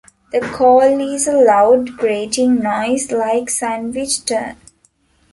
The call is a loud grating noise like Sandwich tern.